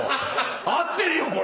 合ってるよこれ。